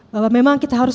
bahwa memang kita harus